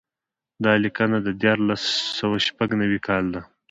دا لیکنه د دیارلس سوه شپږ نوي کال ده.